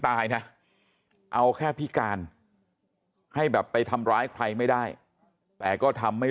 ตายนะเอาแค่พิการให้แบบไปทำร้ายใครไม่ได้แต่ก็ทำไม่